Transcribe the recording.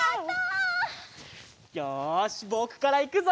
よしぼくからいくぞ！